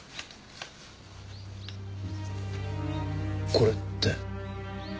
これって。